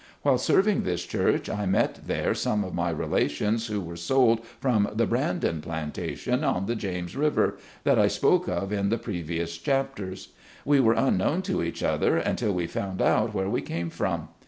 While serving this church I met there some of my relations who were sold from the "Brandon Plantation," on the James River, that I spoke of in the previous chapters. We were unknown to each other, until we found out where we came from.